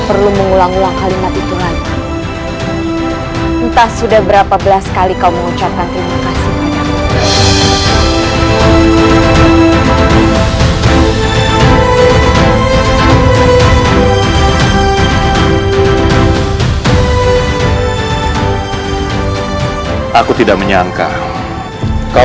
paman ini kesempatan kita